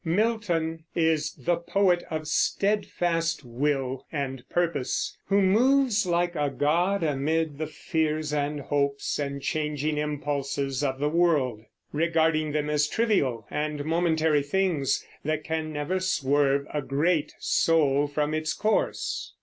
Milton is the poet of steadfast will and purpose, who moves like a god amid the fears and hopes and changing impulses of the world, regarding them as trivial and momentary things that can never swerve a great soul from its course.